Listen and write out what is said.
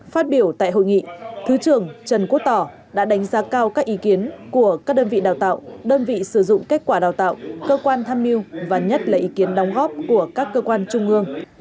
phát biểu tại hội nghị thứ trưởng trần quốc tỏ đã đánh giá cao các ý kiến của các đơn vị đào tạo đơn vị sử dụng kết quả đào tạo cơ quan tham mưu và nhất là ý kiến đóng góp của các cơ quan trung ương